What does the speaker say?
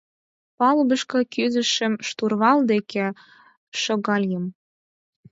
Палубышко кӱзышым, штурвал деке шогальым.